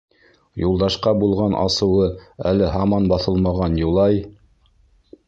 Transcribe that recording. Юлдашҡа булған асыуы әле һаман баҫылмаған Юлай: